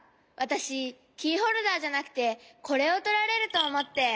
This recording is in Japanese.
わたしキーホルダーじゃなくてこれをとられるとおもって。